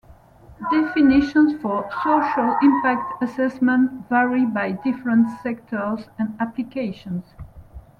Definitions for "social impact assessment" vary by different sectors and applications.